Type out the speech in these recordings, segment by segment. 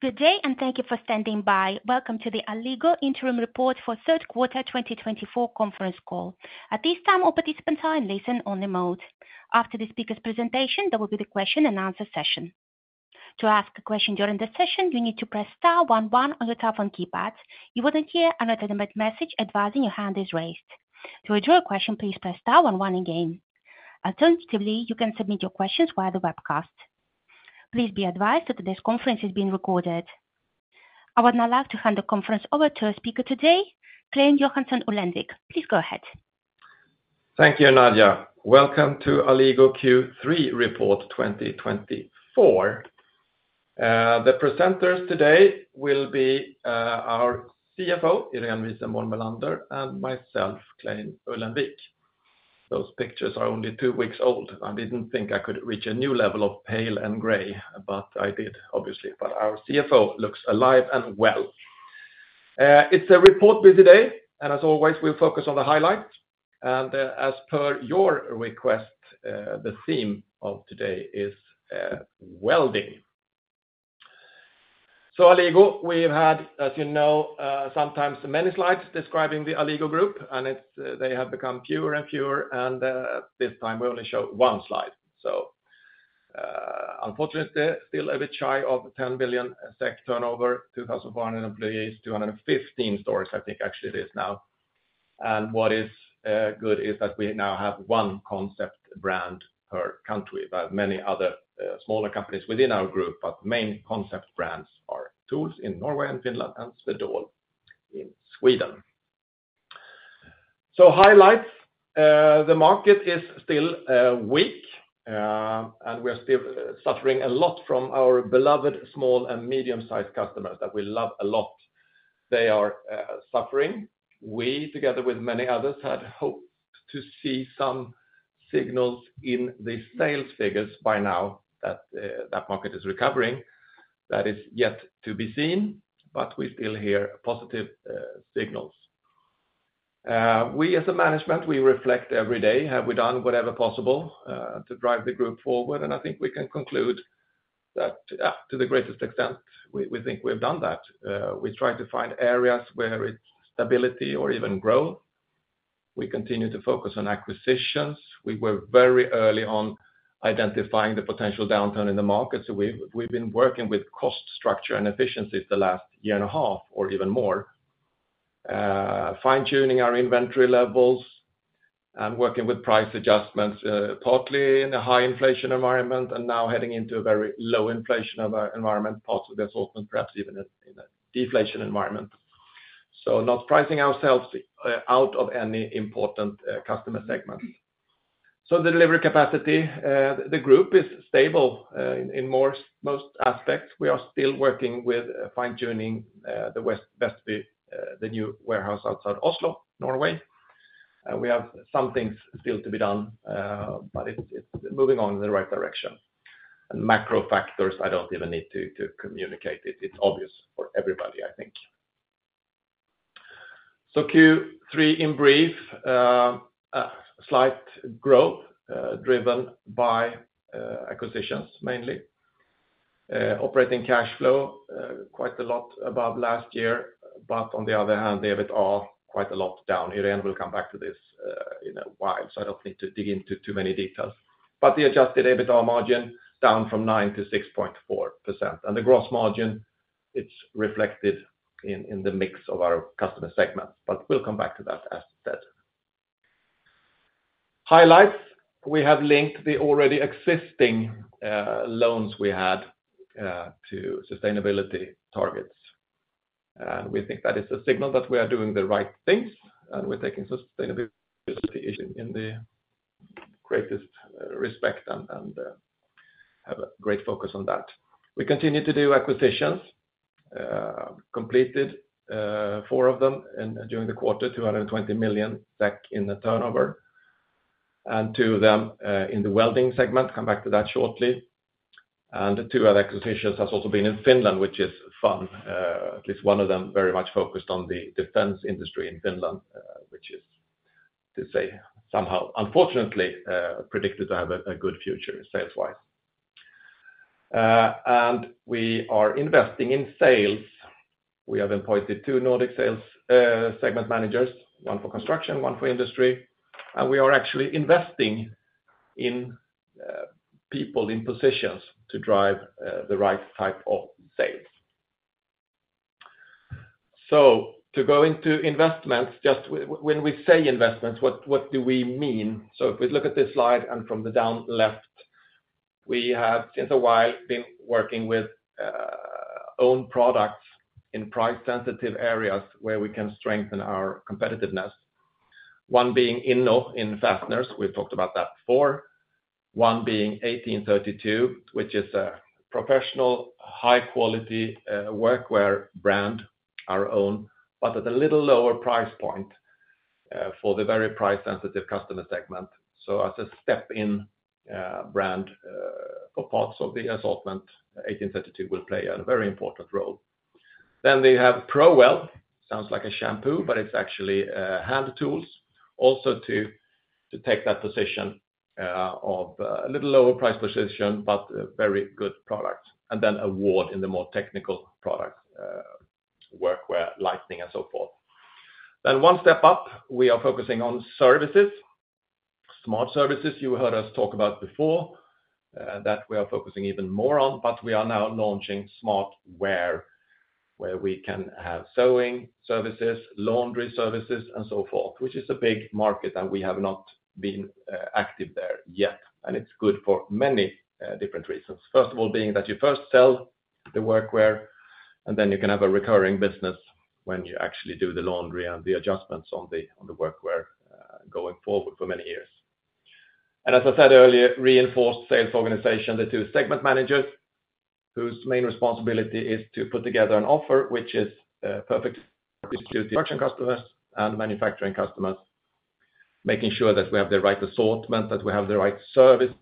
Good day, and thank you for standing by. Welcome to the Alligo Interim Report for third quarter twenty twenty-four conference call. At this time, all participants are in listen-only mode. After the speaker's presentation, there will be the question and answer session. To ask a question during the session, you need to press star one one on your telephone keypad. You wouldn't hear an automated message advising your hand is raised. To withdraw a question, please press star one one again. Alternatively, you can submit your questions via the webcast. Please be advised that today's conference is being recorded. I would now like to hand the conference over to our speaker today, Clein Johansson Ullenvik. Please go ahead. Thank you, Nadia. Welcome to Alligo Q3 Report 2024. The presenters today will be our CFO, Irene Wisenborn Bellander, and myself, Clein Ullenvik. Those pictures are only two weeks old. I didn't think I could reach a new level of pale and gray, but I did, obviously. But our CFO looks alive and well. It's a report-busy day, and as always, we'll focus on the highlights. As per your request, the theme of today is welding. So Alligo, we've had, as you know, sometimes many slides describing the Alligo Group, and it's, they have become fewer and fewer, and this time we only show one slide. So, unfortunately, still a bit shy of 10 billion SEK turnover, 2,000 employees, 215 stores, I think. Actually it is now. And what is good is that we now have one concept brand per country, but many other smaller companies within our group. But the main concept brands are TOOLS in Norway and Finland, and Swedol in Sweden. So highlights, the market is still weak, and we are still suffering a lot from our beloved small and medium-sized customers that we love a lot. They are suffering. We, together with many others, had hoped to see some signals in the sales figures by now that market is recovering. That is yet to be seen, but we still hear positive signals. We, as a management, reflect every day, have we done whatever possible to drive the group forward? And I think we can conclude that, to the greatest extent, we think we've done that. We try to find areas where it's stability or even growth. We continue to focus on acquisitions. We were very early on identifying the potential downturn in the market, so we've been working with cost structure and efficiencies the last year and a half or even more. Fine-tuning our inventory levels and working with price adjustments, partly in a high inflation environment, and now heading into a very low inflation environment, possibly also perhaps even a deflation environment. So not pricing ourselves out of any important customer segment. So the delivery capacity, the group is stable in most aspects. We are still working with fine-tuning the Vestby, the new warehouse outside Oslo, Norway. We have some things still to be done, but it's moving on in the right direction. And macro factors, I don't even need to communicate it. It's obvious for everybody, I think. So Q3, in brief, a slight growth, driven by acquisitions, mainly. Operating cash flow, quite a lot above last year, but on the other hand, the EBITDA, quite a lot down. Irene will come back to this, in a while, so I don't need to dig into too many details. But the adjusted EBITDA margin down from 9% to 6.4%, and the gross margin, it's reflected in the mix of our customer segments, but we'll come back to that, as I said. Highlights, we have linked the already existing loans we had to sustainability targets. We think that is a signal that we are doing the right things, and we're taking sustainability issue in the greatest respect and have a great focus on that. We continue to do acquisitions, completed four of them during the quarter, 220 million SEK in the turnover, and two of them in the welding segment. Come back to that shortly. The two other acquisitions has also been in Finland, which is fun. At least one of them very much focused on the defense industry in Finland, which is, to say, somehow, unfortunately, predicted to have a good future sales-wise, and we are investing in sales. We have appointed two Nordic sales segment managers, one for construction, one for industry, and we are actually investing in people in positions to drive the right type of sales. So to go into investments, just when we say investments, what do we mean? So if we look at this slide, and from the down left, we have, since a while, been working with own products in price-sensitive areas where we can strengthen our competitiveness. One being INNO in Fasteners. We've talked about that before. One being 1832, which is a professional, high quality workwear brand, our own, but at a little lower price point for the very price-sensitive customer segment. So as a step in brand for parts of the assortment, 1832 will play a very important role. Then they have ProWeld, sounds like a shampoo, but it's actually hand TOOLS, also to take that position of a little lower price position, but very good products, and then Award in the more technical products, workwear, lighting, and so forth. Then one step up, we are focusing on services. Smart Services, you heard us talk about before, that we are focusing even more on, but we are now launching SmartWear, where we can have sewing services, laundry services, and so forth, which is a big market, and we have not been active there yet, and it's good for many different reasons. First of all, being that you first sell the workwear, and then you can have a recurring business when you actually do the laundry and the adjustments on the workwear, going forward for many years. And as I said earlier, reinforced sales organization, the two segment managers, whose main responsibility is to put together an offer, which is perfect to customers and manufacturing customers, making sure that we have the right assortment, that we have the right service.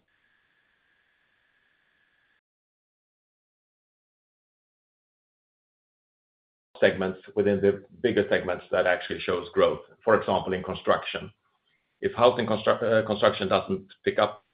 Segments within the bigger segments that actually shows growth. For example, in construction, if housing construction doesn't pick up-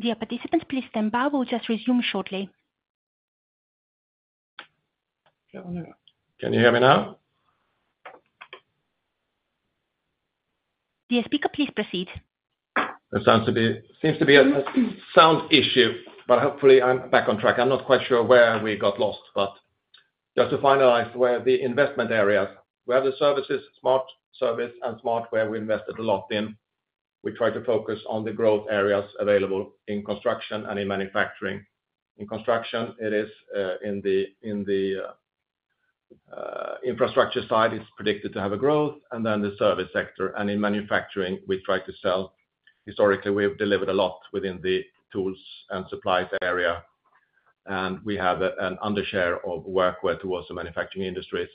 Dear participants, please stand by. We'll just resume shortly. Can you hear me now? Dear speaker, please proceed. There sounds to be, seems to be a sound issue, but hopefully I'm back on track. I'm not quite sure where we got lost, but just to finalize where the investment areas, where the services, Smart Services and SmartWear, where we invested a lot in. We try to focus on the growth areas available in construction and in manufacturing. In construction, it is in the infrastructure side, it's predicted to have a growth, and then the service sector, and in manufacturing, we try to sell, historically, we have delivered a lot within the TOOLS and supplies area, and we have an under share of workwear towards the manufacturing industries,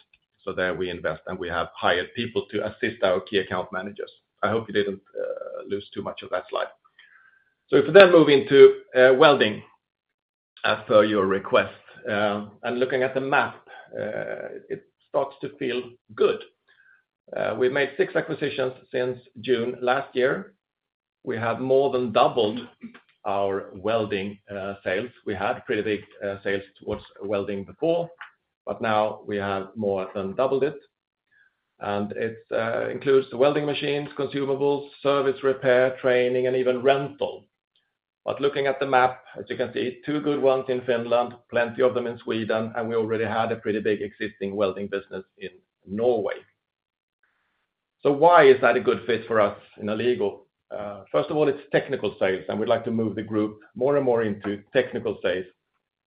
so there we invest, and we have hired people to assist our key account managers. I hope you didn't lose too much of that slide. So if we then move into welding, as per your request, I'm looking at the map. It starts to feel good. We've made six acquisitions since June last year. We have more than doubled our welding sales. We had pretty big sales towards welding before, but now we have more than doubled it. And it includes the welding machines, consumables, service, repair, training, and even rental. But looking at the map, as you can see, two good ones in Finland, plenty of them in Sweden, and we already had a pretty big existing welding business in Norway. So why is that a good fit for us in Alligo? First of all, it's technical sales, and we'd like to move the group more and more into technical sales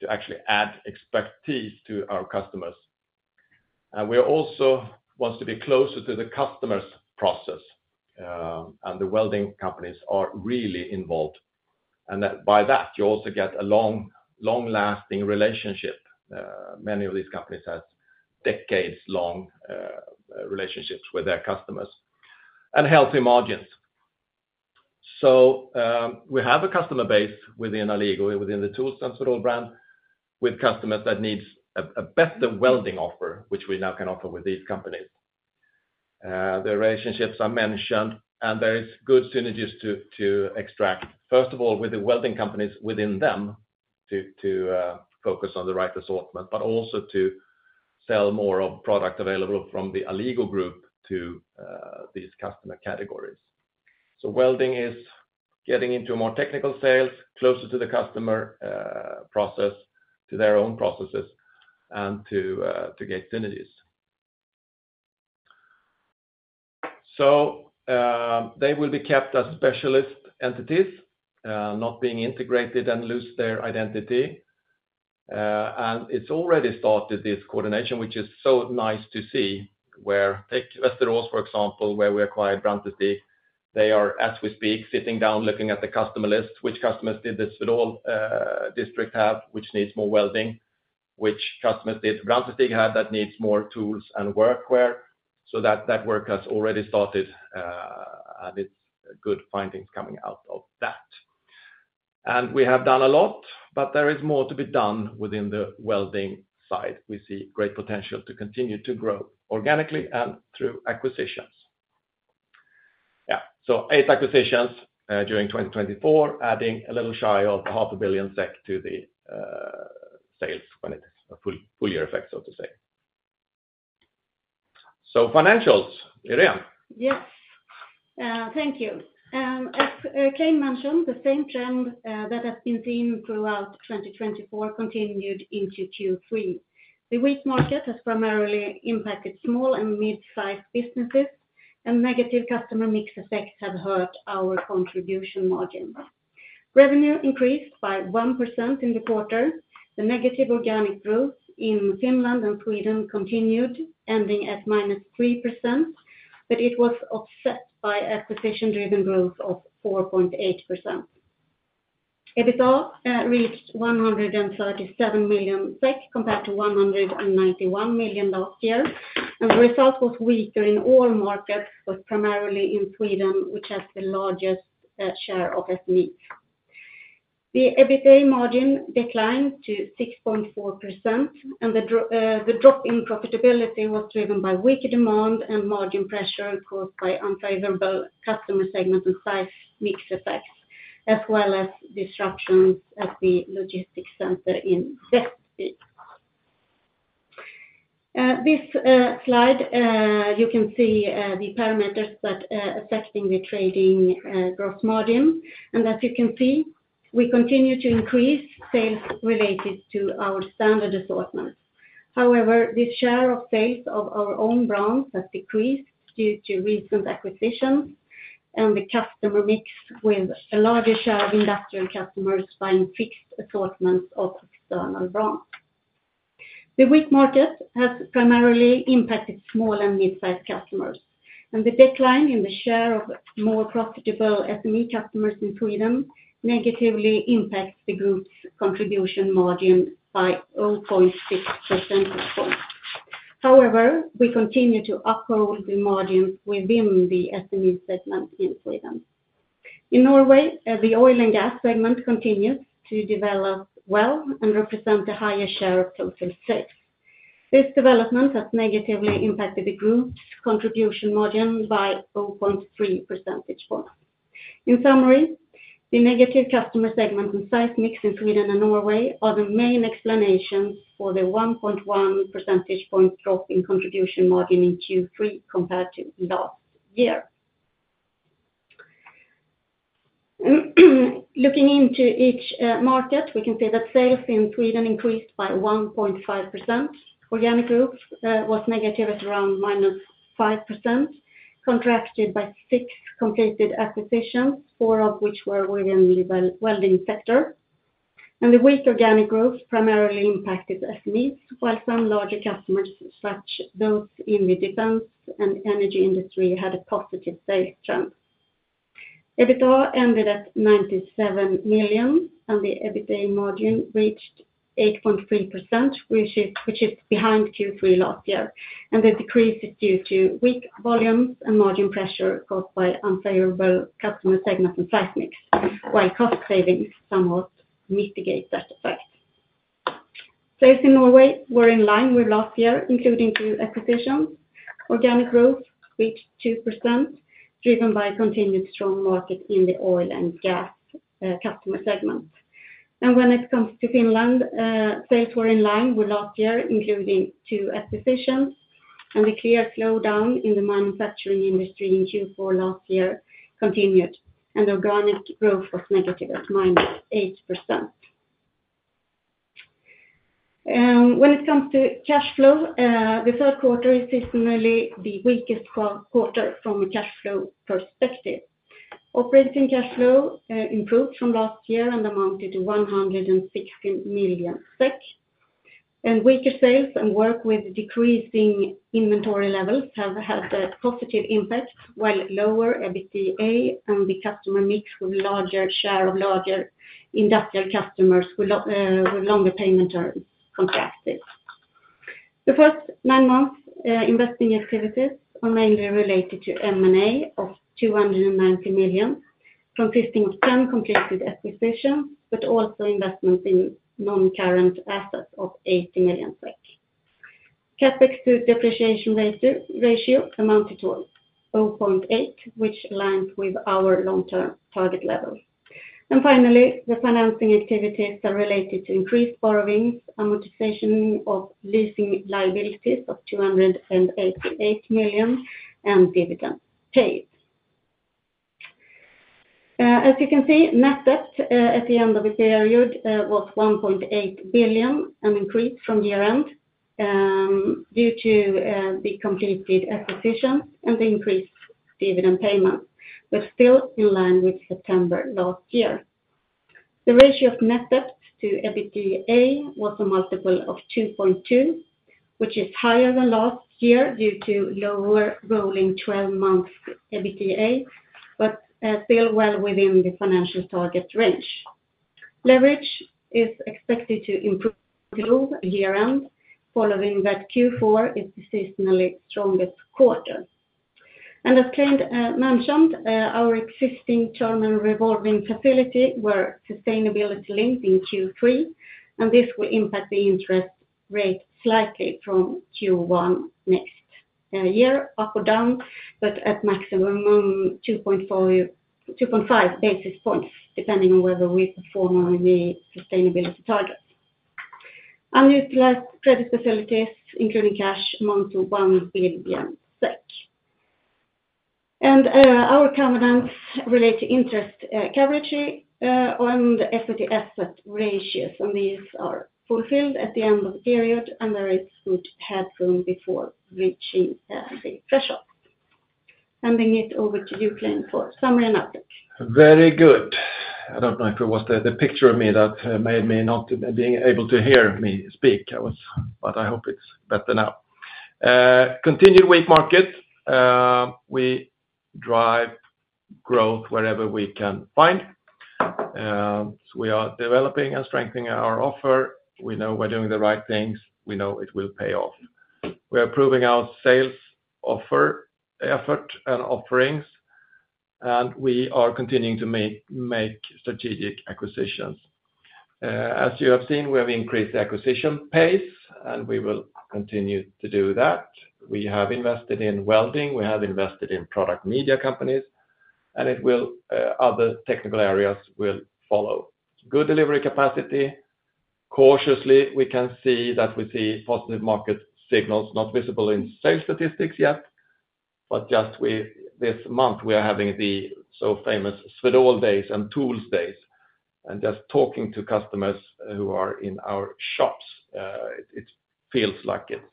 to actually add expertise to our customers. And we also wants to be closer to the customers' process, and the welding companies are really involved. And that by that, you also get a long, long-lasting relationship. Many of these companies has decades long relationships with their customers and healthy margins. So, we have a customer base within Alligo, within the TOOLS and Con-Tool brand, with customers that needs a better welding offer, which we now can offer with these companies. The relationships are mentioned, and there is good synergies to extract, first of all, with the welding companies within them, to focus on the right assortment, but also to sell more of product available from the Alligo group to these customer categories. So welding is getting into more technical sales, closer to the customer process, to their own processes and to get synergies. So, they will be kept as specialist entities, not being integrated and lose their identity. And it's already started this coordination, which is so nice to see, where take Västerås, for example, where we acquired Granlund. They are, as we speak, sitting down, looking at the customer list, which customers did the district have, which needs more welding, which customers did Granlund have that needs more tools and workwear. So that work has already started, and it's good findings coming out of that. And we have done a lot, but there is more to be done within the welding side. We see great potential to continue to grow organically and through acquisitions. Yeah, so eight acquisitions during 2024, adding a little shy of 500 million SEK to the sales when it's a full year effect, so to say. So financials, Irene? Yes, thank you. As Clein mentioned, the same trend that has been seen throughout twenty twenty-four continued into Q3. The weak market has primarily impacted small and mid-sized businesses, and negative customer mix effects have hurt our contribution margins. Revenue increased by 1% in the quarter. The negative organic growth in Finland and Sweden continued, ending at -3%, but it was offset by acquisition-driven growth of 4.8%. EBITDA reached 137 million SEK, compared to 191 million last year, and the result was weaker in all markets, but primarily in Sweden, which has the largest share of SMEs. The EBITDA margin declined to 6.4%, and the drop in profitability was driven by weaker demand and margin pressure caused by unfavorable customer segment and size mix effects, as well as disruptions at the logistics center in Västerås. This slide, you can see, the parameters that affecting the trading growth margin. And as you can see, we continue to increase sales related to our standard assortment. However, the share of sales of our own brands has decreased due to recent acquisitions, and the customer mix with a larger share of industrial customers buying fixed assortments of external brands. The weak market has primarily impacted small and mid-sized customers, and the decline in the share of more profitable SME customers in Sweden negatively impacts the group's contribution margin by 0.6%. However, we continue to uphold the margins within the SME segment in Sweden. In Norway, the oil and gas segment continues to develop well and represent a higher share of total sales. This development has negatively impacted the group's contribution margin by 0.3 percentage point. In summary, the negative customer segment and size mix in Sweden and Norway are the main explanations for the 1.1 percentage point drop in contribution margin in Q3 compared to last year. Looking into each market, we can see that sales in Sweden increased by 1.5%. Organic growth was negative at around -5%, offset by six completed acquisitions, four of which were within the welding sector, and the weak organic growth primarily impacted SMEs, while some larger customers, such as those in the defense and energy industry, had a positive sales trend. EBITDA ended at 97 million, and the EBITDA margin reached 8.3%, which is behind Q3 last year. The decrease is due to weak volumes and margin pressure caused by unfavorable customer segment and size mix, while cost savings somewhat mitigate that effect. Sales in Norway were in line with last year, including two acquisitions. Organic growth reached 2%, driven by continued strong market in the oil and gas customer segment. When it comes to Finland, sales were in line with last year, including two acquisitions, and the clear slowdown in the manufacturing industry in Q4 last year continued, and organic growth was negative at -8%. When it comes to cash flow, the third quarter is traditionally the weakest quarter from a cash flow perspective. Operating cash flow improved from last year and amounted to 116 million SEK, and weaker sales and work with decreasing inventory levels have had a positive impact, while lower EBITDA and the customer mix with larger share of larger industrial customers with longer payment terms contracted. The first nine months investing activities are mainly related to M&A of 290 million SEK, consisting of 10 completed acquisitions, but also investments in non-current assets of 80 million SEK. CapEX to depreciation ratio amounted to 0.8, which aligns with our long-term target level. Finally, the financing activities are related to increased borrowings, amortization of leasing liabilities of 288 million SEK, and dividend paid. As you can see, net debt at the end of the period was 1.8 billion, an increase from year end, due to the completed acquisition and the increased dividend payment, but still in line with September last year. The ratio of net debt to EBITDA was a multiple of 2.2, which is higher than last year due to lower rolling twelve month EBITDA, but still well within the financial target range. Leverage is expected to improve by year end, following that Q4 is seasonally strongest quarter, and as Clein mentioned, our existing term and revolving facility was sustainability linked in Q3, and this will impact the interest rate slightly from Q1 next year, up or down, but at maximum, 2.4-2.5 basis points, depending on whether we perform on the sustainability targets. Unutilized credit facilities, including cash, amount to 1 billion SEK. And, our covenants relate to interest, coverage, on the equity asset ratios, and these are fulfilled at the end of the period, and there is good headroom before reaching, the threshold. Handing it over to you, Clein, for summary and outlook. Very good. I don't know if it was the picture of me that made me not to be able to hear me speak. I was, but I hope it's better now. Continued weak market. We drive growth wherever we can find. So we are developing and strengthening our offer. We know we're doing the right things. We know it will pay off. We are proving our sales offer, effort, and offerings, and we are continuing to make strategic acquisitions. As you have seen, we have increased the acquisition pace, and we will continue to do that. We have invested in welding, we have invested in product media companies, and other technical areas will follow. Good delivery capacity. Cautiously, we can see that we see positive market signals, not visible in sales statistics yet, but just with this month, we are having the so famous Swedol Days and TOOLS Days, and just talking to customers who are in our shops, it, it feels like it's,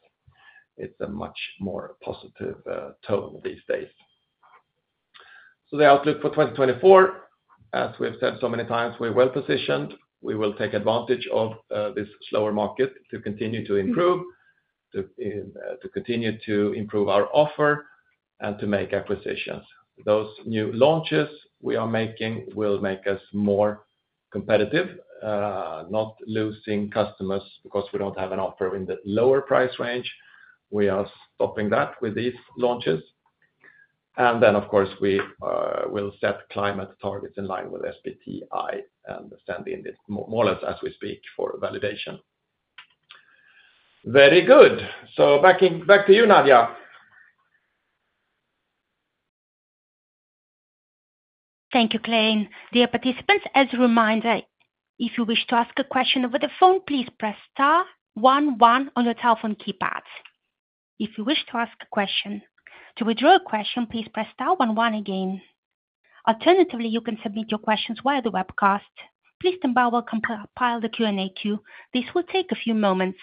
it's a much more positive tone these days. So the outlook for twenty twenty-four, as we have said so many times, we're well positioned. We will take advantage of this slower market to continue to improve, to continue to improve our offer and to make acquisitions. Those new launches we are making will make us more competitive, not losing customers because we don't have an offer in the lower price range. We are stopping that with these launches. And then, of course, we will set climate targets in line with SBTi and sending it more or less as we speak, for validation. Very good. So back to you, Nadia. Thank you, Clein. Dear participants, as a reminder, if you wish to ask a question over the phone, please press star one one on your telephone keypads. If you wish to ask a question. To withdraw a question, please press star one one again. Alternatively, you can submit your questions via the webcast. Please stand by while we compile the Q&A queue. This will take a few moments,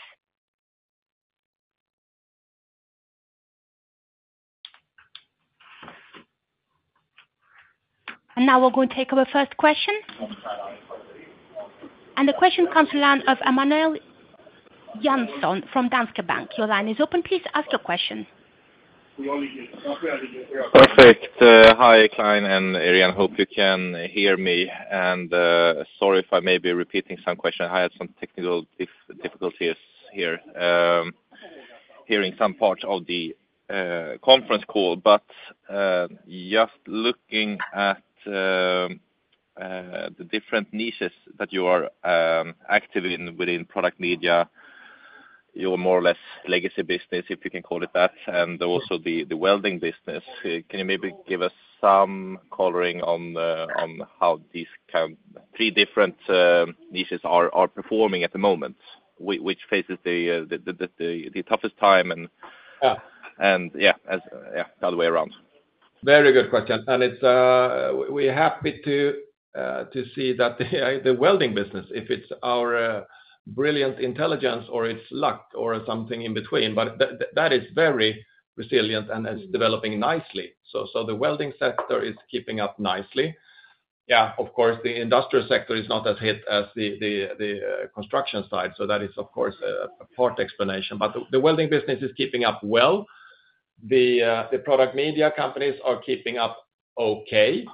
and now we're going to take our first question, and the question comes in line of Emanuel Jansson from Danske Bank. Your line is open, please ask your question. Perfect. Hi, Clein and Irene, hope you can hear me, and sorry if I may be repeating some questions. I had some technical difficulties here, hearing some parts of the conference call. But just looking at the different niches that you are active in within product media, your more or less legacy business, if you can call it that, and also the welding business, can you maybe give us some coloring on how these kind three different niches are performing at the moment? Which faces the toughest time, and- Yeah. And, yeah, as, yeah, the other way around. Very good question. And it's, we're happy to, to see that the welding business, if it's our, brilliant intelligence or it's luck or something in between, but that is very resilient and is developing nicely. So the welding sector is keeping up nicely. Yeah, of course, the industrial sector is not as hit as the construction side, so that is, of course, a part explanation. But the welding business is keeping up well. The product media companies are keeping up okay.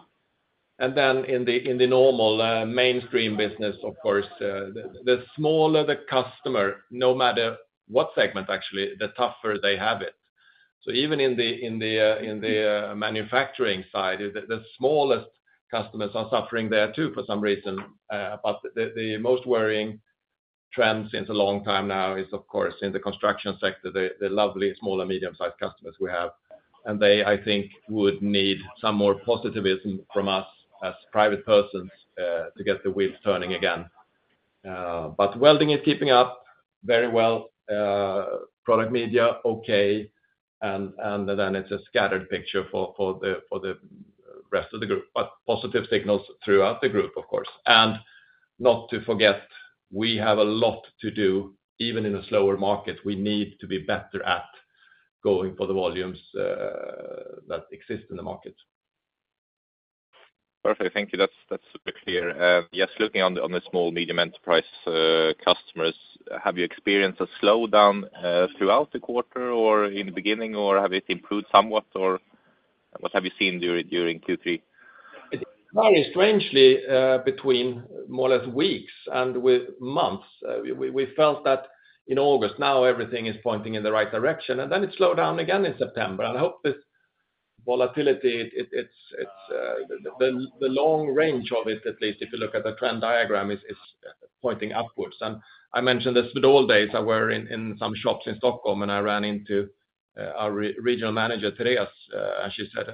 And then in the normal, mainstream business, of course, the smaller the customer, no matter what segment, actually, the tougher they have it. So even in the manufacturing side, the smallest customers are suffering there, too, for some reason. But the most worrying trend since a long time now is, of course, in the construction sector, the lovely small and medium-sized customers we have, and they, I think, would need some more positivism from us as private persons to get the wheels turning again. But welding is keeping up very well, product media, okay, and then it's a scattered picture for the rest of the group, but positive signals throughout the group, of course. And not to forget, we have a lot to do, even in a slower market, we need to be better at going for the volumes that exist in the market. Perfect, thank you. That's super clear. Just looking on the small and medium enterprise customers, have you experienced a slowdown throughout the quarter or in the beginning, or have it improved somewhat, or what have you seen during Q3? It varies strangely between more or less weeks and months. We felt that in August. Now everything is pointing in the right direction, and then it slowed down again in September. I hope this volatility. It's the long range of it, at least if you look at the trend diagram, is pointing upwards. I mentioned this yesterday. I was in some shops in Stockholm, and I ran into our regional manager, Therese, and she said,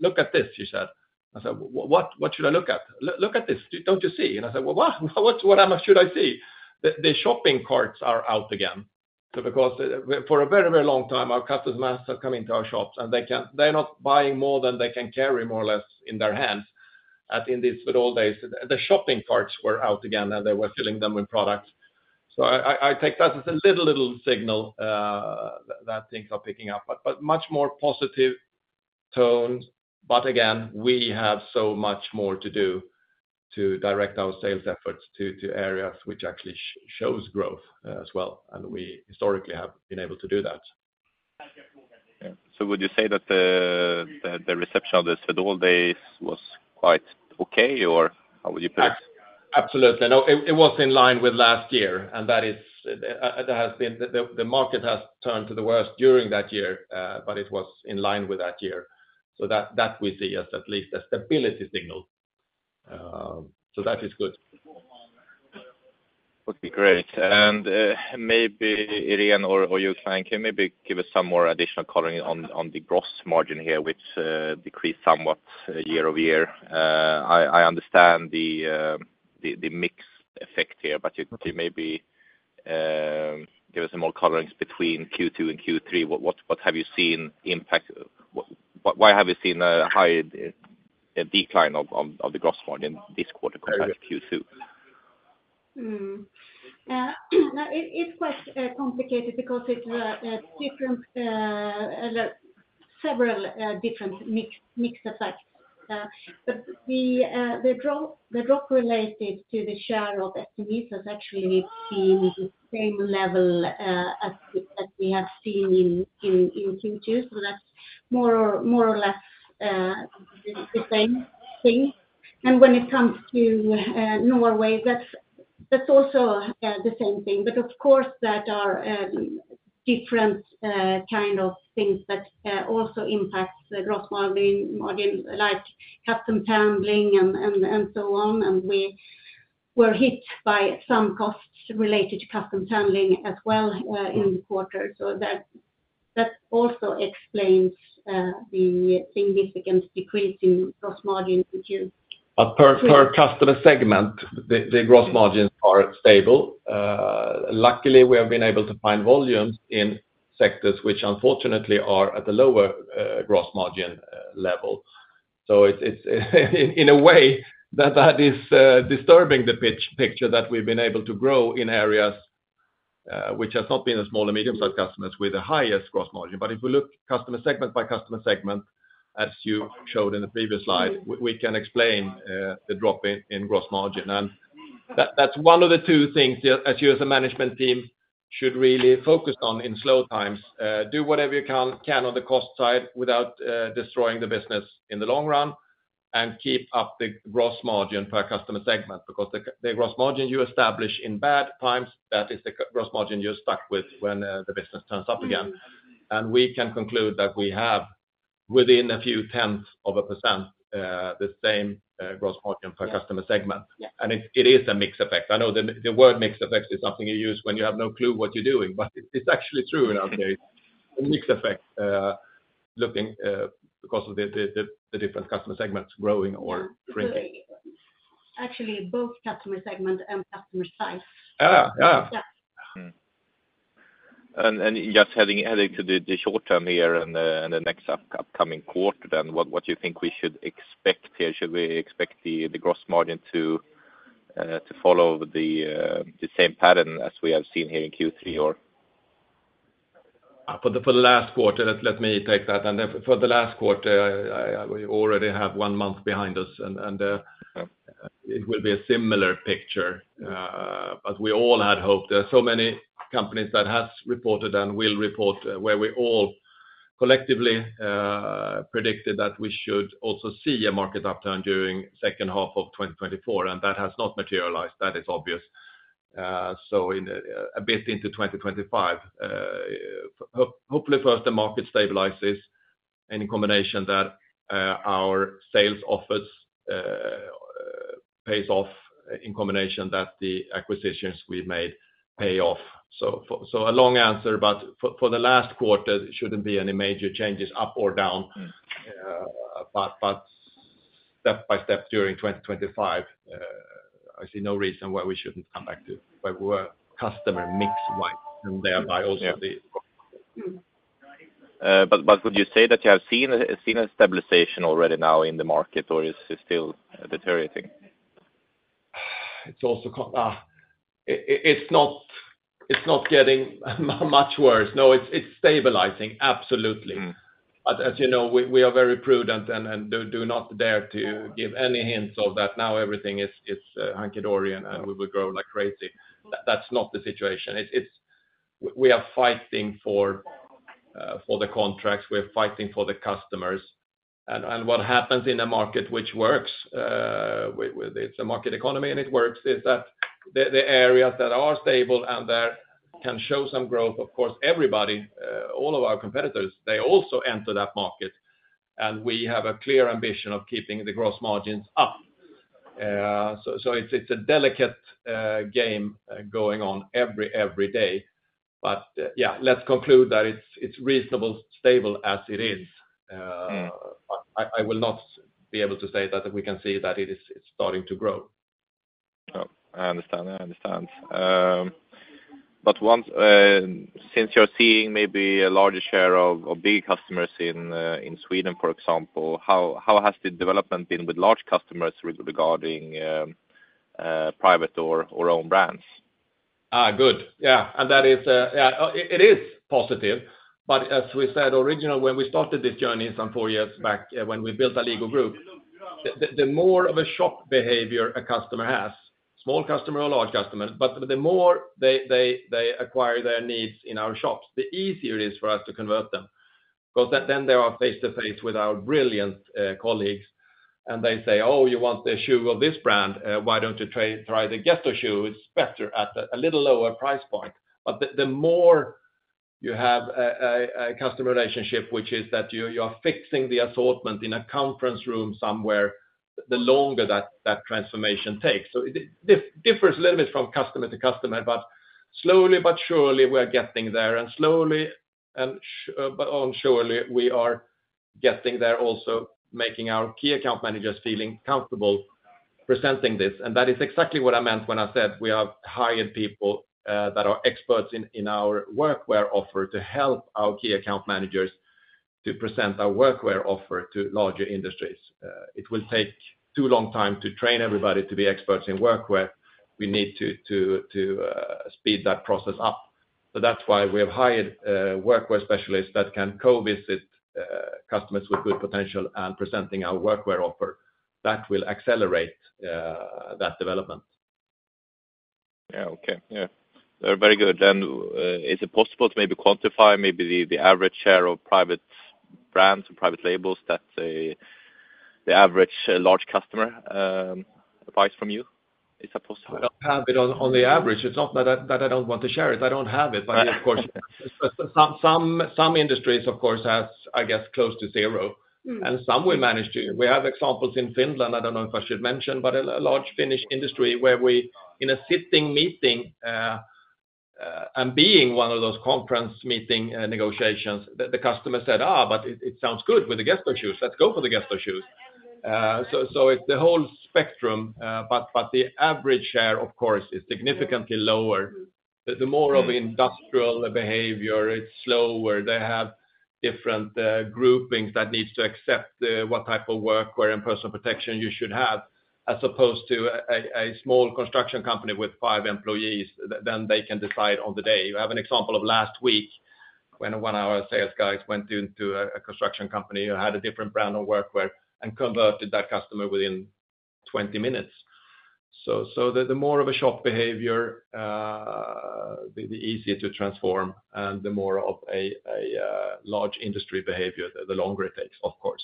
"Look at this," she said. I said, "What? What should I look at?" "Look at this, don't you see?" And I said, "Well, what else should I see?" "The shopping carts are out again." So because for a very, very long time, our customers have come into our shops, and they're not buying more than they can carry, more or less, in their hands. As in this, but old days, the shopping carts were out again, and they were filling them with products. So I take that as a little, little signal that things are picking up, but much more positive tone. But again, we have so much more to do to direct our sales efforts to areas which actually shows growth, as well, and we historically have been able to do that. Would you say that the reception of the Swedol days was quite okay, or how would you put it? Absolutely. No, it was in line with last year, and that is, that has been the market has turned for the worse during that year, but it was in line with that year. So that we see as at least a stability signal, so that is good. Okay, great. And maybe Irene or you, Fredrik, can maybe give us some more additional color on the gross margin here, which decreased somewhat year-over-year. I understand the mix effect here, but you maybe give us some more color between Q2 and Q3. What have you seen impact. What, why have you seen a high decline of the gross margin this quarter compared to Q2? It is quite complicated because it's several different mix effects. But the drop related to the share of SMEs has actually seen the same level as we have seen in Q2. So that's more or less the same thing. And when it comes to Norway, that's also the same thing. But of course, there are different kind of things that also impacts the gross margin like customs handling and so on. And we were hit by some costs related to customs handling as well in the quarter. So that also explains the significant decrease in gross margin, which is- But per customer segment, the gross margins are stable. Luckily, we have been able to find volumes in sectors which unfortunately are at a lower gross margin level. So it's in a way that is disturbing the picture that we've been able to grow in areas which has not been small and medium-sized customers with the highest gross margin. But if we look customer segment by customer segment, as you showed in the previous slide, we can explain the drop in gross margin. And that's one of the two things that, as you as a management team, should really focus on in slow times. Do whatever you can on the cost side without destroying the business in the long run, and keep up the gross margin per customer segment, because the gross margin you establish in bad times, that is the gross margin you're stuck with when the business turns up again. Mm-hmm. We can conclude that we have, within a few tenths of a percent, the same gross margin- Yeah... per customer segment. Yeah. And it is a mix effect. I know the word mix effect is something you use when you have no clue what you're doing, but it's actually true in our case. Okay. A mix effect, because of the different customer segments growing or shrinking. Actually, both customer segment and customer size. Ah, yeah. Yeah. And just heading to the short term here and the next upcoming quarter, then what do you think we should expect here? Should we expect the gross margin to follow the same pattern as we have seen here in Q3, or? For the last quarter, let me take that, and then for the last quarter, we already have one month behind us, and Yep... it will be a similar picture. But we all had hoped. There are so many companies that has reported and will report where we all collectively predicted that we should also see a market upturn during second half of 2024, and that has not materialized. That is obvious. So in a bit into 2025, hopefully, first, the market stabilizes in combination that our sales office pays off in combination that the acquisitions we've made pay off. So a long answer, but for the last quarter, there shouldn't be any major changes up or down. Mm. Step by step during twenty twenty-five, I see no reason why we shouldn't come back to where we were, customer mix wise, and thereby also the- But would you say that you have seen a stabilization already now in the market, or is it still deteriorating? It's also not getting much worse. No, it's stabilizing, absolutely. Mm. But as you know, we are very prudent and do not dare to give any hints of that now everything is hunky dory, and we will grow like crazy. That's not the situation. It's we are fighting for the contracts, we are fighting for the customers, and what happens in a market which works with it. It's a market economy, and it works, is that the areas that are stable and that can show some growth, of course, everybody, all of our competitors, they also enter that market, and we have a clear ambition of keeping the gross margins up. So it's a delicate game going on every day. But yeah, let's conclude that it's reasonably stable as it is. Mm. I will not be able to say that we can see that it is starting to grow. Oh, I understand. I understand. But once since you're seeing maybe a larger share of big customers in Sweden, for example, how has the development been with large customers regarding private or own brands? Ah, good. Yeah, and that is, yeah, it is positive. But as we said originally, when we started this journey some four years back, when we built a legal group, the more of a shop behavior a customer has, small customer or large customer, but the more they acquire their needs in our shops, the easier it is for us to convert them. 'Cause then they are face-to-face with our brilliant colleagues, and they say, "Oh, you want the shoe of this brand? Why don't you try the Gesto shoe? It's better at a little lower price point." But the more you have a customer relationship, which is that you are fixing the assortment in a conference room somewhere, the longer that transformation takes. So it differs a little bit from customer to customer, but slowly but surely we're getting there, also making our key account managers feeling comfortable presenting this. And that is exactly what I meant when I said we have hired people that are experts in our workwear offer to help our key account managers to present our workwear offer to larger industries. It will take too long time to train everybody to be experts in workwear. We need to speed that process up. So that's why we have hired workwear specialists that can co-visit customers with good potential and presenting our workwear offer. That will accelerate that development. Yeah, okay. Yeah. Very good. Then, is it possible to maybe quantify the average share of private brands and private labels that the average large customer buys from you? Is that possible? I don't have it on the average. It's not that I don't want to share it, I don't have it. Right. But of course, some industries, of course, has, I guess, close to zero- Mm. -and some we manage to. We have examples in Finland. I don't know if I should mention, but a large Finnish industry where we, in a sitting meeting, and being one of those conference meeting, negotiations, the customer said, "Ah, but it sounds good with the Gesto shoes. Let's go for the Gesto shoes." So it's the whole spectrum, but the average share, of course, is significantly lower. The more of industrial behavior, it's slower. They have different groupings that needs to accept the what type of work wear and personal protection you should have, as opposed to a small construction company with five employees, then they can decide on the day. You have an example of last week, when one of our sales guys went into a construction company who had a different brand of workwear and converted that customer within twenty minutes. So, the more of a shop behavior, the easier to transform, and the more of a large industry behavior, the longer it takes, of course.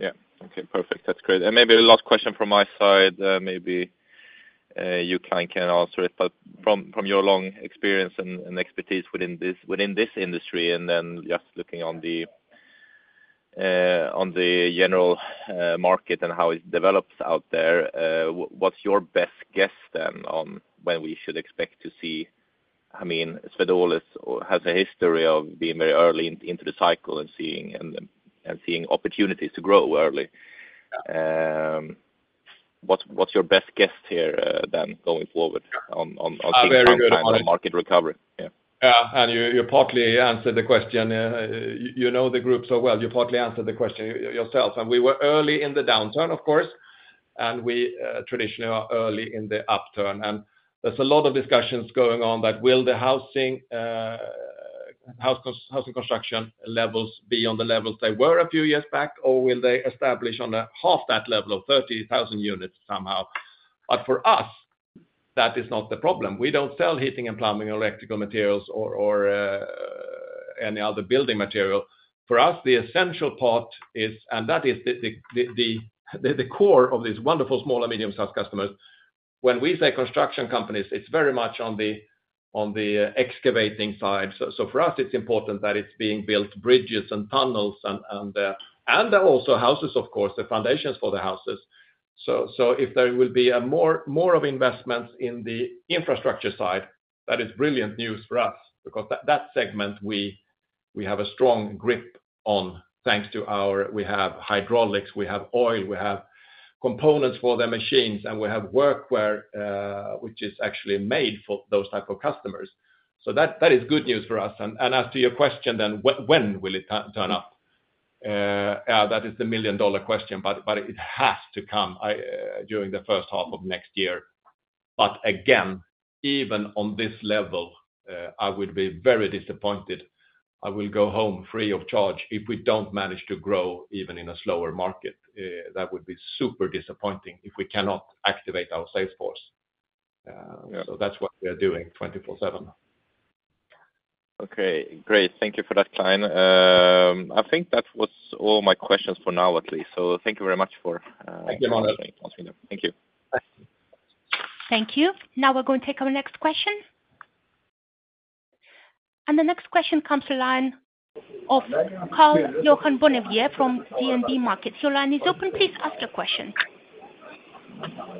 Yeah. Okay, perfect. That's great. And maybe the last question from my side, maybe you kind of can answer it, but from your long experience and expertise within this industry, and then just looking on the general market and how it develops out there, what's your best guess then on when we should expect to see? I mean, Swedol has a history of being very early into the cycle and seeing opportunities to grow early. What's your best guess here, then going forward on, on, on- A very good one.... market recovery? Yeah. Yeah, and you partly answered the question. You know the group so well, you partly answered the question yourself. And we were early in the downturn, of course, and we traditionally are early in the upturn. And there's a lot of discussions going on that will the housing construction levels be on the levels they were a few years back, or will they establish on a half that level of thirty thousand units somehow? But for us, that is not the problem. We don't sell heating and plumbing or electrical materials or any other building material. For us, the essential part is, and that is the core of these wonderful small and medium-sized customers. When we say construction companies, it's very much on the excavating side. So for us, it's important that it's being built, bridges and tunnels and also houses, of course, the foundations for the houses. So if there will be more investments in the infrastructure side, that is brilliant news for us because that segment, we have a strong grip on, thanks to our we have hydraulics, we have oil, we have components for the machines, and we have workwear, which is actually made for those type of customers. So that is good news for us. And as to your question then, when will it turn up? That is the million dollar question, but it has to come during the first half of next year. But again, even on this level, I would be very disappointed. I will go home free of charge if we don't manage to grow even in a slower market. That would be super disappointing if we cannot activate our sales force, so that's what we are doing twenty-four/seven. Okay, great. Thank you for that, Klein. I think that was all my questions for now, at least. So thank you very much for, Thank you, Emmanuel. Thank you. Thank you. Now we're going to take our next question. The next question comes from the line of Karl-Johan Bonnevier from DNB Markets. Your line is open. Please ask your question.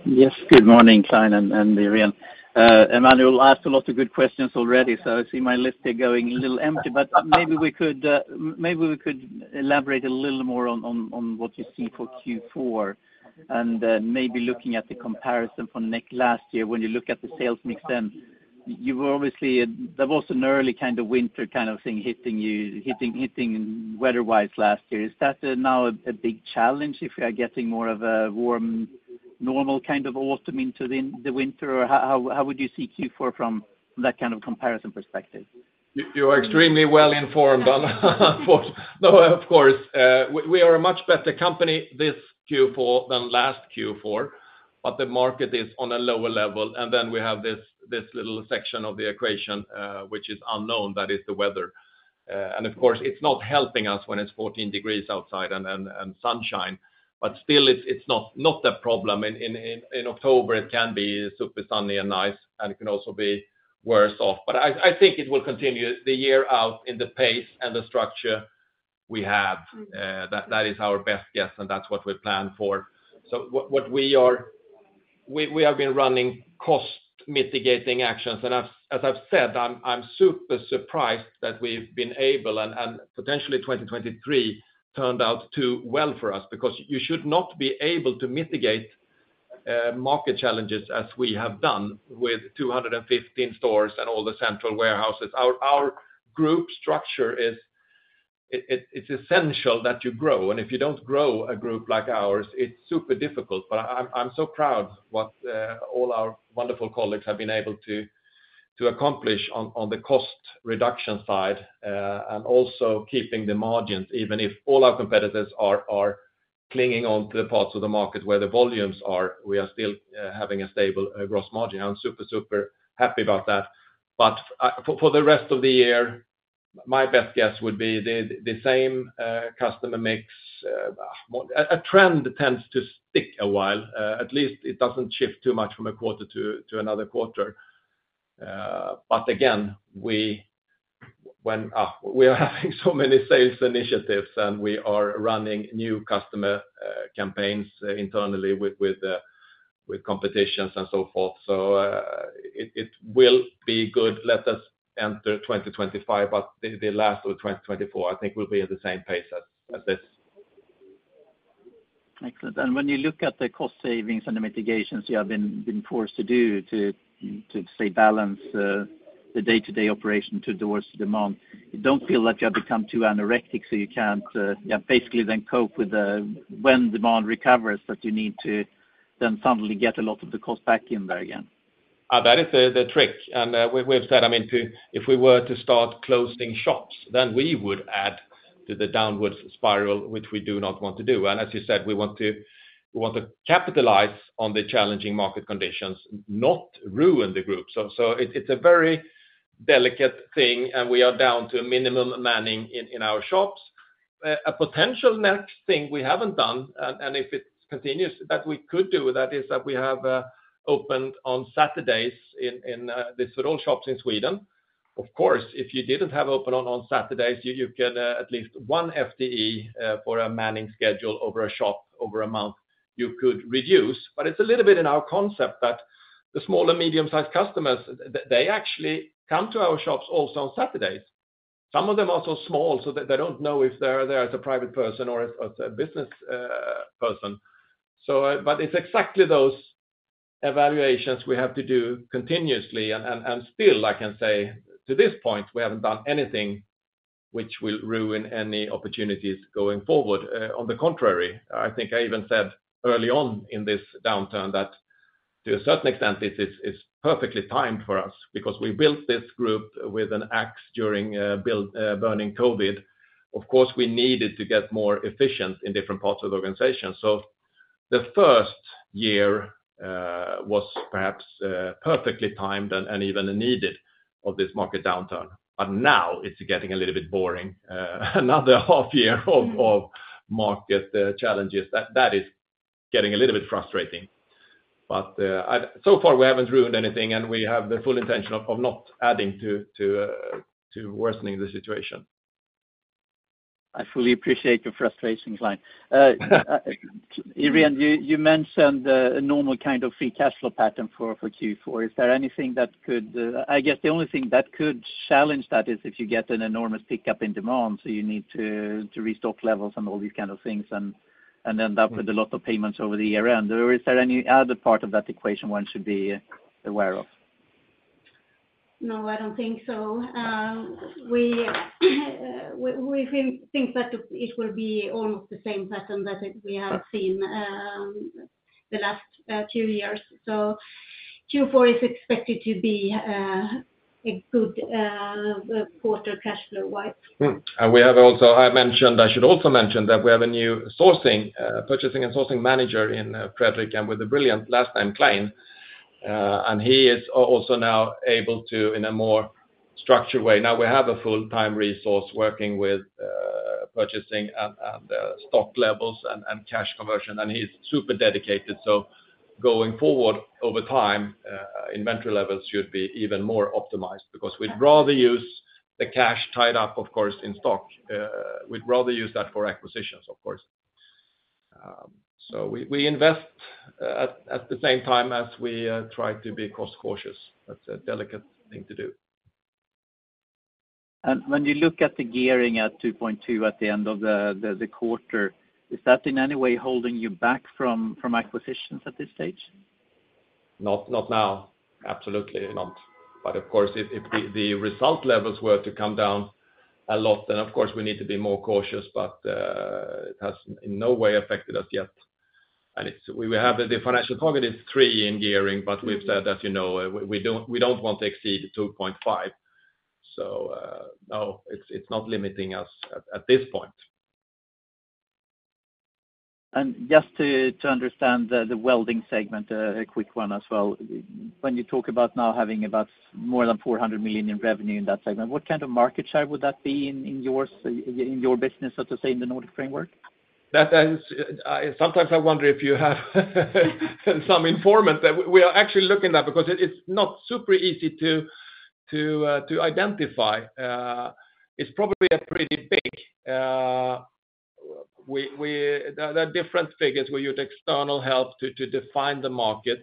Yes, good morning, Clein and Irene. Emanuel asked a lot of good questions already, so I see my list here going a little empty, but maybe we could elaborate a little more on what you see for Q4, and maybe looking at the comparison from last year, when you look at the sales mix, then you were obviously. There was an early kind of winter kind of thing hitting you weather-wise last year. Is that now a big challenge if you are getting more of a warm, normal kind of autumn into the winter? Or how would you see Q4 from that kind of comparison perspective? You are extremely well-informed, but... No, of course, we are a much better company this Q4 than last Q4, but the market is on a lower level. And then we have this little section of the equation, which is unknown, that is the weather. And of course, it's not helping us when it's 14 degrees outside and sunshine, but still it's not a problem. In October, it can be super sunny and nice, and it can also be worse off. But I think it will continue the year out in the pace and the structure we have. That is our best guess, and that's what we plan for. We have been running cost mitigating actions, and as I've said, I'm super surprised that we've been able and potentially 2023 turned out too well for us, because you should not be able to mitigate market challenges as we have done with 215 stores and all the central warehouses. Our group structure is. It's essential that you grow, and if you don't grow a group like ours, it's super difficult, but I'm so proud what all our wonderful colleagues have been able to accomplish on the cost reduction side and also keeping the margins. Even if all our competitors are clinging on to the parts of the market where the volumes are, we are still having a stable gross margin. I'm super, super happy about that, but for the rest of the year, my best guess would be the same customer mix. A trend tends to stick a while, at least it doesn't shift too much from a quarter to another quarter. But again, when we are having so many sales initiatives, and we are running new customer campaigns internally with competitions and so forth, so it will be good. Let us enter twenty twenty-five, but the last of twenty twenty-four, I think we'll be at the same pace as this. Excellent. And when you look at the cost savings and the mitigations you have been forced to do to stay balanced, the day-to-day operation towards demand, you don't feel that you have become too anorectic, so you can't, yeah, basically then cope with the... When demand recovers, that you need to then suddenly get a lot of the cost back in there again? That is the trick, and we've said, I mean, if we were to start closing shops, then we would add to the downward spiral, which we do not want to do. And as you said, we want to capitalize on the challenging market conditions, not ruin the group. So it's a very delicate thing, and we are down to a minimum manning in our shops. A potential next thing we haven't done, and if it continues, that we could do that, is that we have opened on Saturdays in this for all shops in Sweden. Of course, if you didn't have open on Saturdays, you get at least one FTE for a manning schedule over a shop, over a month, you could reduce. But it's a little bit in our concept that the small and medium-sized customers, they actually come to our shops also on Saturdays. Some of them are so small, so they don't know if they're there as a private person or as a business person. So, but it's exactly those evaluations we have to do continuously, and still, I can say to this point, we haven't done anything which will ruin any opportunities going forward. On the contrary, I think I even said early on in this downturn that to a certain extent, this is perfectly timed for us because we built this group with an axe during burning COVID. Of course, we needed to get more efficient in different parts of the organization. So the first year was perhaps perfectly timed and even needed of this market downturn, but now it's getting a little bit boring. Another half year of market challenges that is getting a little bit frustrating. But so far, we haven't ruined anything, and we have the full intention of not adding to worsening the situation. ... I fully appreciate your frustrations, Clein. Irene, you mentioned a normal kind of free cash flow pattern for Q4. Is there anything that could, I guess the only thing that could challenge that is if you get an enormous pickup in demand, so you need to restock levels and all these kind of things, and end up with a lot of payments over the year-round. Or is there any other part of that equation one should be aware of? No, I don't think so. We think that it will be almost the same pattern that we have seen the last two years. So Q4 is expected to be a good quarter cash flow-wise. And we have also, I mentioned. I should also mention that we have a new sourcing, purchasing and sourcing manager in Fredrik, and with a brilliant last name, Klein. And he is also now able to, in a more structured way, now we have a full-time resource working with purchasing and stock levels and cash conversion, and he's super dedicated. So going forward over time, inventory levels should be even more optimized, because we'd rather use the cash tied up, of course, in stock. We'd rather use that for acquisitions, of course. So we invest at the same time as we try to be cost cautious. That's a delicate thing to do. When you look at the gearing at 2.2 at the end of the quarter, is that in any way holding you back from acquisitions at this stage? Not now. Absolutely not, but of course, if the result levels were to come down a lot, then, of course, we need to be more cautious, but it has in no way affected us yet, and it's we have the financial target is three in gearing, but we've said, as you know, we don't want to exceed two point five, so no, it's not limiting us at this point. Just to understand the welding segment, a quick one as well. When you talk about now having about more than 400 million in revenue in that segment, what kind of market share would that be in yours, in your business, so to say, in the Nordic framework? That is, sometimes I wonder if you have some informant. We are actually looking at that because it, it's not super easy to identify. It's probably a pretty big. There are different figures. We use external help to define the market,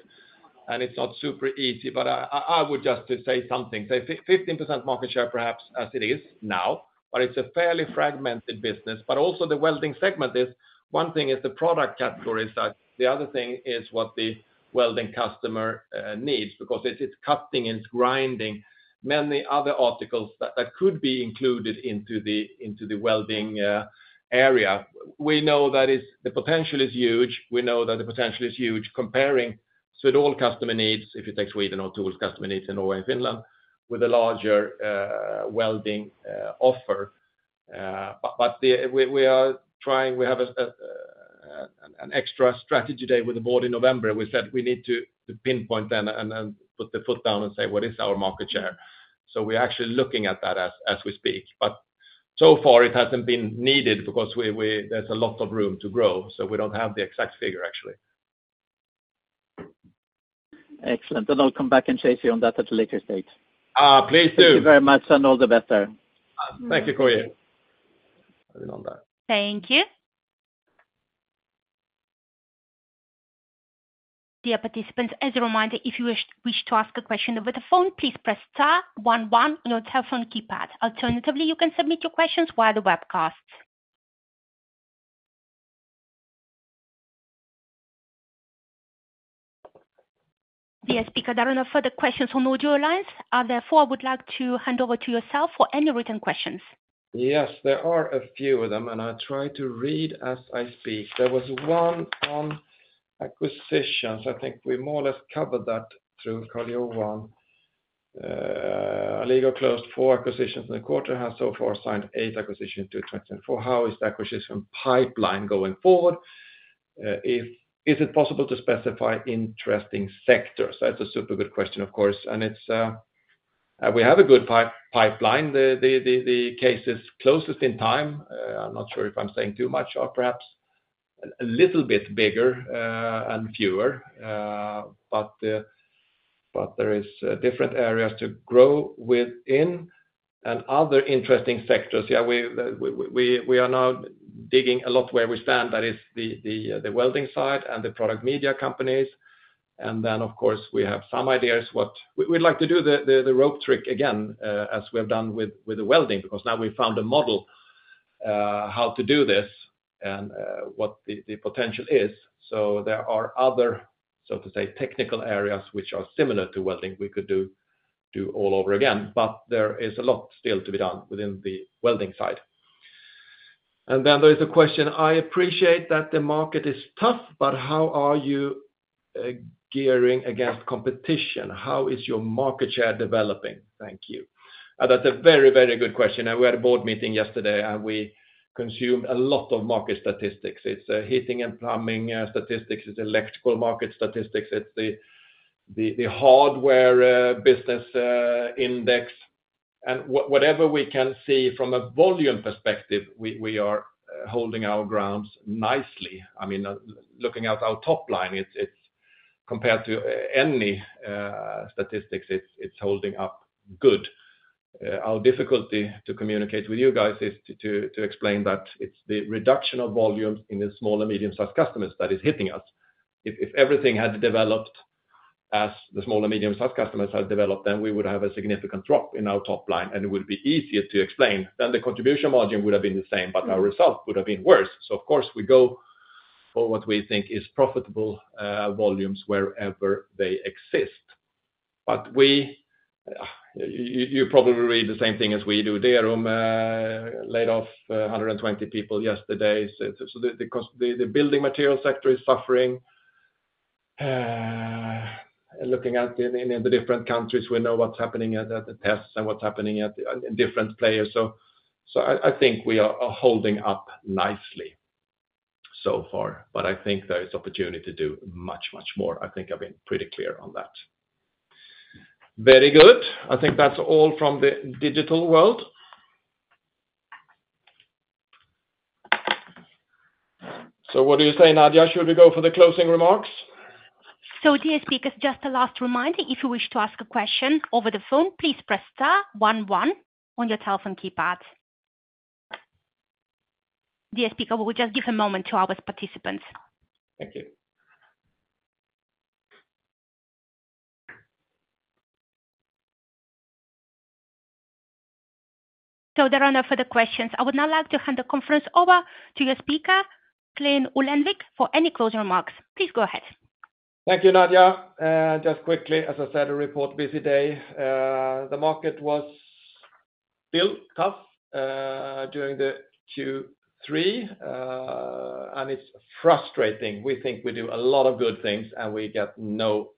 and it's not super easy, but I would just to say something, say 15% market share, perhaps, as it is now, but it's a fairly fragmented business. But also the welding segment is, one thing is the product category size, the other thing is what the welding customer needs, because it's cutting, it's grinding. Many other articles that could be included into the welding area. We know that is. The potential is huge. We know that the potential is huge, comparing Swedol customer needs, if you take Sweden or TOOLS customer needs in Norway and Finland, with a larger welding offer. But we are trying, we have an extra strategy day with the board in November. We said we need to pinpoint then and put the foot down and say, "What is our market share?" So we're actually looking at that as we speak. But so far, it hasn't been needed because we, there's a lot of room to grow, so we don't have the exact figure, actually. Excellent. Then I'll come back and chase you on that at a later stage. Ah, please do. Thank you very much, and all the best there. Thank you, Koljo. Thank you. Dear participants, as a reminder, if you wish to ask a question over the phone, please press star one one on your telephone keypad. Alternatively, you can submit your questions via the webcast. Dear speaker, there are no further questions on audio lines. Therefore, I would like to hand over to yourself for any written questions. Yes, there are a few of them, and I try to read as I speak. There was one on acquisitions. I think we more or less covered that through call Q1. Alligo closed four acquisitions in the quarter, and has so far signed eight acquisitions to twenty twenty-four. How is the acquisition pipeline going forward? Is it possible to specify interesting sectors? That's a super good question, of course, and it's we have a good pipeline. The cases closest in time, I'm not sure if I'm saying too much, or perhaps a little bit bigger, and fewer, but there is different areas to grow within and other interesting sectors. Yeah, we are now digging a lot where we stand. That is the welding side and the product media companies. And then, of course, we have some ideas. We'd like to do the rope trick again, as we have done with the welding, because now we found a model how to do this and what the potential is. So there are other, so to say, technical areas which are similar to welding, we could do all over again, but there is a lot still to be done within the welding side. And then there is a question: I appreciate that the market is tough, but how are you gearing against competition? How is your market share developing? Thank you. That's a very, very good question, and we had a board meeting yesterday, and we consumed a lot of market statistics. It's heating and plumbing statistics, it's electrical market statistics, it's the hardware business index. And whatever we can see from a volume perspective, we are holding our grounds nicely. I mean, looking at our top line, it's compared to any statistics, it's holding up good. Our difficulty to communicate with you guys is to explain that it's the reduction of volumes in the small and medium-sized customers that is hitting us. If everything had developed as the small and medium-sized customers have developed, then we would have a significant drop in our top line, and it would be easier to explain, then the contribution margin would have been the same, but our results would have been worse. So of course, we go for what we think is profitable volumes wherever they exist. But you probably read the same thing as we do there, laid off 120 people yesterday. So the cost... the building material sector is suffering. Looking at, in the different countries, we know what's happening at the stats and what's happening at in different players. So I think we are holding up nicely so far, but I think there is opportunity to do much more. I think I've been pretty clear on that. Very good. I think that's all from the digital world. So what do you say, Nadia? Should we go for the closing remarks? So dear speakers, just a last reminder, if you wish to ask a question over the phone, please press star one one on your telephone keypad. Dear speaker, we will just give a moment to our participants. Thank you. So there are no further questions. I would now like to hand the conference over to your speaker, Clein Ullenvik, for any closing remarks. Please go ahead. Thank you, Nadia. Just quickly, as I said, a report, busy day. The market was still tough during the Q3, and it's frustrating. We think we do a lot of good things, and we get no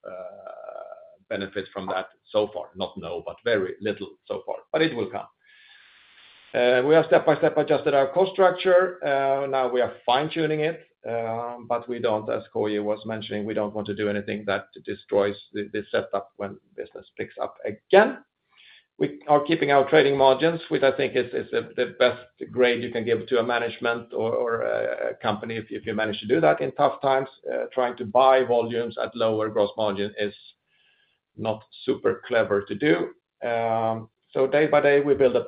benefit from that so far. Not no, but very little so far, but it will come. We have step-by-step adjusted our cost structure, now we are fine-tuning it, but we don't, as Koji was mentioning, we don't want to do anything that destroys the setup when business picks up again. We are keeping our trading margins, which I think is the best grade you can give to a management or a company if you manage to do that in tough times. Trying to buy volumes at lower gross margin is not super clever to do. So day by day, we build a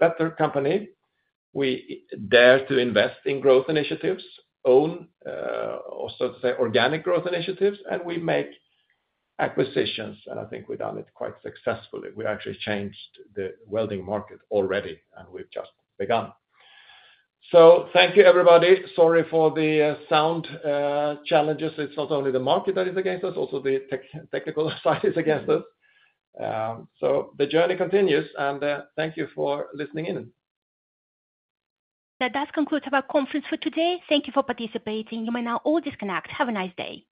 better company. We dare to invest in growth initiatives, own, or so to say, organic growth initiatives, and we make acquisitions, and I think we've done it quite successfully. We actually changed the welding market already, and we've just begun. So thank you, everybody. Sorry for the sound challenges. It's not only the market that is against us, also the technical side is against us. So the journey continues, and thank you for listening in. That does conclude our conference for today. Thank you for participating. You may now all disconnect. Have a nice day.